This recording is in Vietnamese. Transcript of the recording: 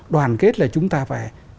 đoàn kết là chúng ta phải